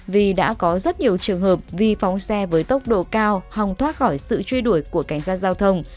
vì đã có rất nhiều trường hợp vi phóng xe với tốc độ cao hòng thoát khỏi sự truy đuổi của cảnh sát giao thông